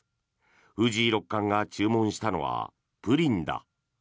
藤井六冠が注文したのはプリンだ。